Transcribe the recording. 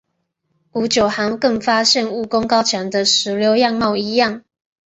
古九寒更发现武功高强的石榴样貌一样。